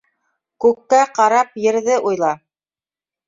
Күккә ҡарап ерҙе уйла.